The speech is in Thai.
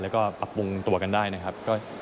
แล้วก็ปรับปรุงตัวกันได้นะครับ